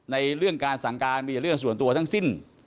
ในเรื่องการสั่งการมีแต่เรื่องส่วนตัวทั้งสิ้น